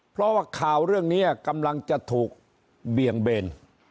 เพราะว่าข่าวเรื่องนี้กำลังจะถูกเบี่ยงเบน